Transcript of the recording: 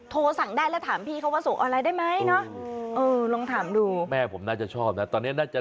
โทรสั่งได้และถามพี่เขาว่า